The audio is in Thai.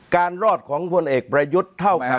รอดของพลเอกประยุทธ์เท่ากับ